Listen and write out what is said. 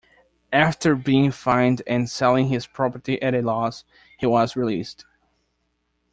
After being fined and selling his property at a loss, he was released.